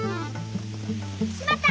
しまった！